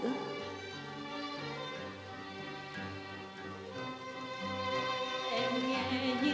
dù gặp nhau chưa một lần